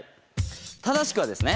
正しくはですね。